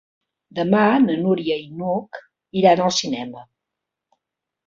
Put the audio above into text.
Demà na Núria i n'Hug iran al cinema.